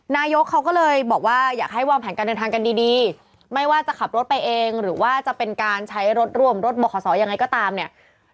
นายกเขาก็เลยบอกว่าอยากให้วางแผนการเดินทางกันดีดีไม่ว่าจะขับรถไปเองหรือว่าจะเป็นการใช้รถร่วมรถบขสอยังไงก็ตามเนี่ย